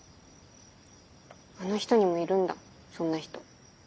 あの人にもいるんだそんな人。